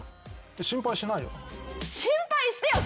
心配しないよ。